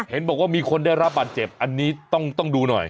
เห็นบอกว่ามีคนได้รับบาดเจ็บอันนี้ต้องดูหน่อย